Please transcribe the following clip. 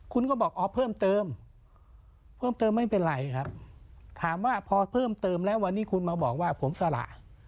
คุณก็บอกอ๋อเพิ่มเติมเพิ่มเติมไม่เป็นไรครับถามว่าพอเพิ่มเติมแล้ววันนี้คุณมาบอกว่าผมสละ